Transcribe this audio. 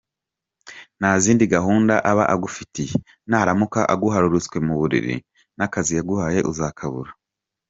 Nta zindi gahunda aba agufitiye, naramuka aguhararutswe mu buriri n’akazi yaguhaye uzakabura.